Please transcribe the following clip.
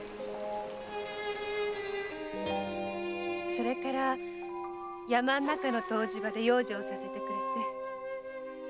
それから山の中の湯治場で養生させてくれて。